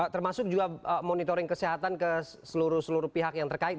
termasuk juga monitoring kesehatan ke seluruh seluruh pihak yang terkait